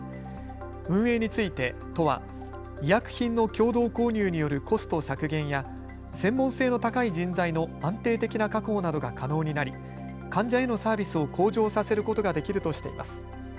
運営について都は医薬品の共同購入によるコスト削減や専門性の高い人材の安定的な確保などが可能になり患者へのサービスを向上させることができるとしています。